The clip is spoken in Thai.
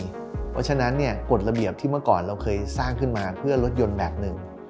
เพราะฉะนั้นกฎระเบียบที่เมื่อก่อนเราเคยสร้างขึ้นมาเพื่อรถยนต์แบบหนึ่ง